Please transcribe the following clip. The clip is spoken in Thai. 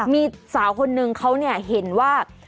มีสาวคนนึงเขาเนี่ยเห็นว่า